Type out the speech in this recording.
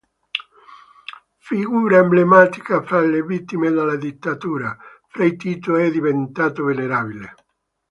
Figura emblematica fra le vittime della dittatura, Frei Tito è diventato venerabile.